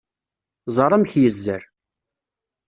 Ẓer amek yezzer!